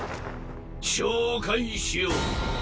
紹介しよう。